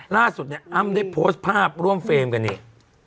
ล่าสุดเนี่ยอ้ำได้โพสต์ภาพร่วมเฟรมกันเนี่ย